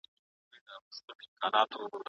موږ باید په نړۍ کي د یووالي لپاره کار وکړو.